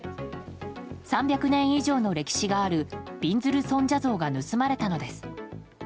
３００年以上の歴史があるびんずる尊者像が盗まれたのです。